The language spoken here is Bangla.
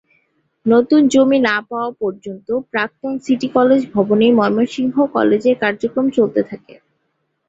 নতুন জমি না পাওয়া পর্যন্ত প্রাক্তন সিটি কলেজ ভবনেই ময়মনসিংহ কলেজের কার্যক্রম চলতে থাকে।